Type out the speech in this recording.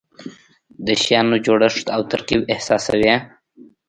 د شیانو جوړښت او ترکیب احساسوي.